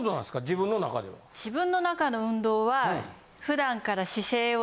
自分の中の運動は。